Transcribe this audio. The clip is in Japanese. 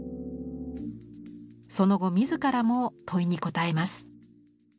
その後自らも問いに答えます。